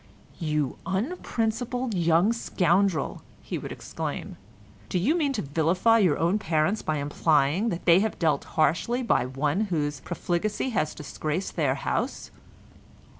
"You unprincipled young scoundrel," he would exclaim, "do you mean to vilify your own parents by implying that they have dealt harshly by one whose profligacy has disgraced their house?"